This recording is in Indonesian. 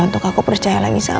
untuk aku percaya lagi sama sama